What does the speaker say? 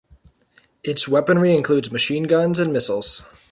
Its weaponry includes machine guns and missiles.